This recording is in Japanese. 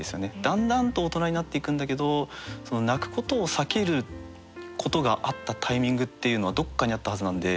だんだんと大人になっていくんだけどその泣くことを避けることがあったタイミングっていうのはどっかにあったはずなんで。